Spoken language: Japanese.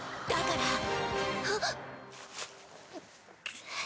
だから。